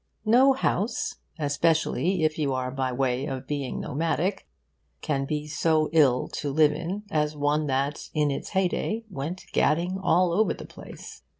No house, especially if you are by way of being nomadic, can be so ill to live in as one that in its heyday went gadding all over the place.